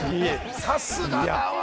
さすがだわ！